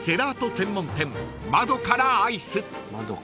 専門店窓からアイス］